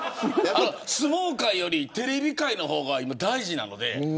相撲界よりテレビ界の方が今は大事なので。